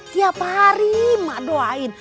tiap hari mak doain